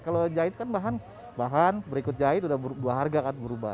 kalau jahit kan bahan berikut jahit udah dua harga kan berubah